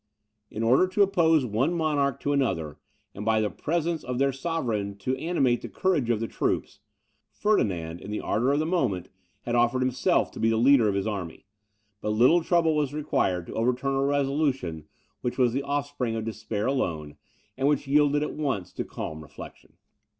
In order to oppose one monarch to another, and by the presence of their sovereign to animate the courage of the troops, Ferdinand, in the ardour of the moment, had offered himself to be the leader of his army; but little trouble was required to overturn a resolution which was the offspring of despair alone, and which yielded at once to calm reflection.